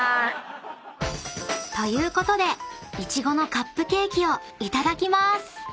［ということでいちごのカップケーキをいただきます］